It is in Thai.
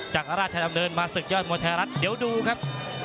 จากราชดำเนินมาศึกยอดมวยไทยรัฐเดี๋ยวดูครับ